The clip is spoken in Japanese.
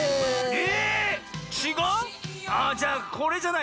え！